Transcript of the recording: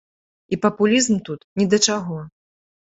І папулізм тут ні да чаго.